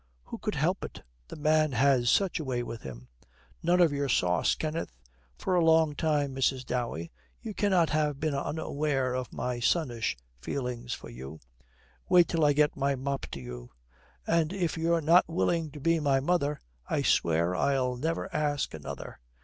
Who could help it, the man has such a way with him. 'None of your sauce, Kenneth.' 'For a long time, Mrs. Dowey, you cannot have been unaware of my sonnish feelings for you.' 'Wait till I get my mop to you!' 'And if you're not willing to be my mother, I swear I'll never ask another.'